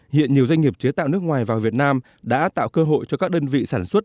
hiện nhiều doanh nghiệp chế tạo nước ngoài vào việt nam đã tạo cơ hội cho các đơn vị sản xuất